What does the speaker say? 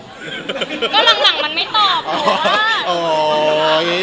ก็หลังมันไม่ตอบ